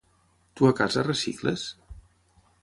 Tu a casa recicles?